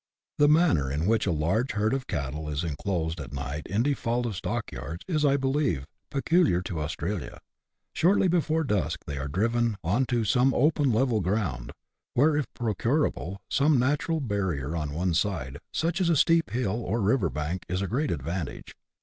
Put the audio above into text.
The manner in which a large herd of cattle is enclosed at night in default of stockyards, is, I believe, peculiar to Australia : shortly before dusk they are driven on to some open, level ground, where, if procurable, some natural barrier on one side, such as a steep hill or river bank, is a great advantage.